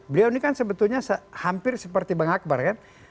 beliau ini kan sebetulnya hampir seperti bang akbar kan